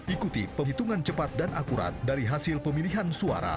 ikuti penghitungan cepat dan akurat dari hasil pemilihan suara